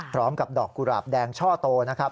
พร้อมกับดอกกุหลาบแดงช่อโตนะครับ